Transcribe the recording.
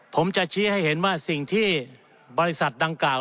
ผมจะชี้ให้เห็นว่าสิ่งที่บริษัทดังกล่าว